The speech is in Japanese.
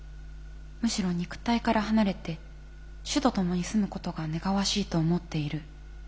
「むしろ肉体から離れて主と共に住むことが願わしいと思っている」と。